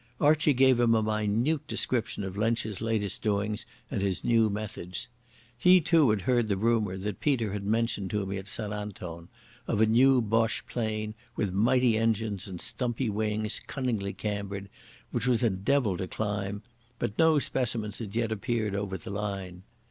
Archie gave him a minute description of Lensch's latest doings and his new methods. He, too, had heard the rumour that Peter had mentioned to me at St Anton, of a new Boche plane, with mighty engines and stumpy wings cunningly cambered, which was a devil to climb; but no specimens had yet appeared over the line.